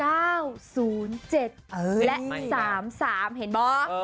๙๐๗และ๓๓เห็นบ้อ